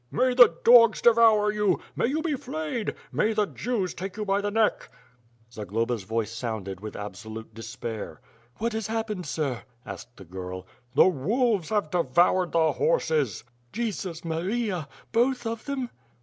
"May the dogs devour you. May you be flayed. May the Jews take you by the neck.*^ Zagloba's voice sounded with absolute despair. "What has happened, sir?" asked the girl. "The wolves have devoured the horses." "Jesus Maria! Both of them?"